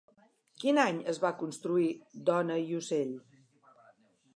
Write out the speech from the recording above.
Quin any es va construir Dona i ocell?